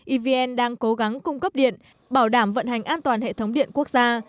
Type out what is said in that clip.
evn đang cố gắng cung cấp điện bảo đảm vận hành an toàn hệ thống điện quốc gia